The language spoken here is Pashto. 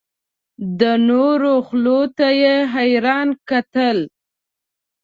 د نورو خولو ته یې حیران کتل.